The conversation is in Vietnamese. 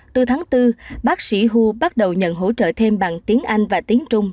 từ tháng bốn bác sĩ hu bắt đầu nhận hỗ trợ thêm bằng tiếng anh và tiếng trung